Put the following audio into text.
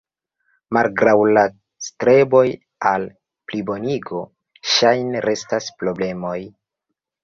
Malgraŭ la streboj al plibonigo, ŝajne restas problemoj.